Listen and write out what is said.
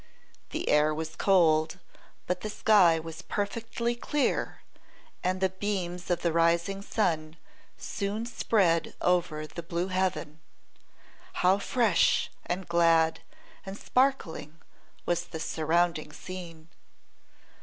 The air was cold, but the sky was perfectly clear, and the beams of the rising sun soon spread over the blue heaven. How fresh, and glad, and sparkling was the surrounding scene!